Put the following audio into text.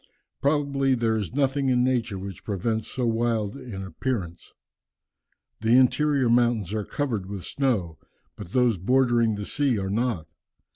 Probably there is nothing in nature which presents so wild an appearance. The interior mountains are covered with snow, but those bordering the sea are not.